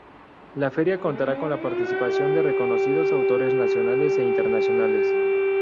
La Feria contará con la participación de reconocidos autores nacionales e internacionales.